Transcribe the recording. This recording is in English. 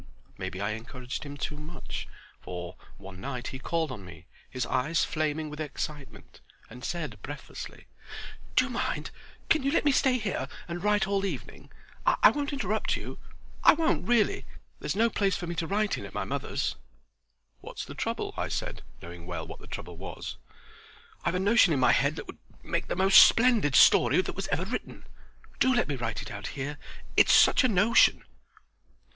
Maybe I encouraged him too much, for, one night, he called on me, his eyes flaming with excitement, and said breathlessly: "Do you mind—can you let me stay here and write all this evening? I won't interrupt you, I won't really. There's no place for me to write in at my mother's." "What's the trouble?" I said, knowing well what that trouble was. "I've a notion in my head that would make the most splendid story that was ever written. Do let me write it out here. It's such a notion!"